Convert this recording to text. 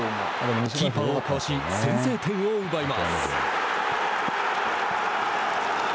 キーパーをかわし先制点を奪います。